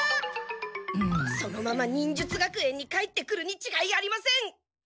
そのまま忍術学園に帰ってくるにちがいありません！